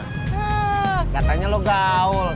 hah katanya lo gaul